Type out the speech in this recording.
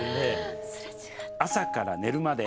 朝から寝るまで